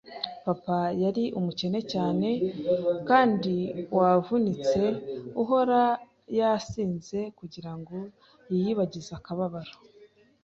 Papa yari umukene cyane kandi wavunitse uhora yasinze kugirango yiyibagize akababaro